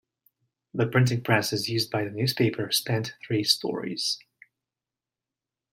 The printing presses used by the newspaper spanned three stories.